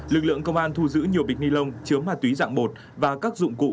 lực lượng công an thu giữ nhiều bịch nilon chứa ma túy dạng bột và các dụng cụ